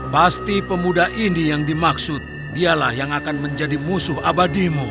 pasti pemuda ini yang dimaksud dialah yang akan menjadi musuh abadimu